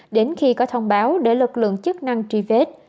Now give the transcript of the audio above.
đến khi có thông báo để lực lượng chức năng truy vết